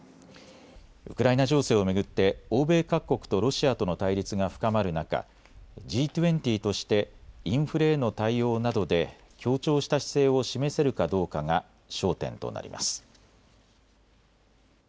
ウクライナ情勢を巡って欧米各国とロシアとの対立が深まる中、Ｇ２０としてインフレへの対応などで協調した姿勢を示せるかどうかが焦点となります。